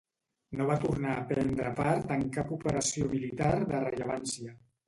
No va tornar a prendre part en cap operació militar de rellevància.